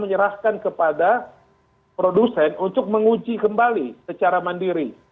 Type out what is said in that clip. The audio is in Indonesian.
menyerahkan kepada produsen untuk menguji kembali secara mandiri